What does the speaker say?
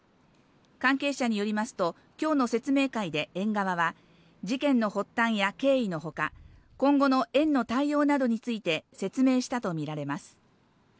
関係者によりますと、きょうの説明会で園側は、事件の発端や経緯のほか、今後の園の対応などについて説明したと見られます。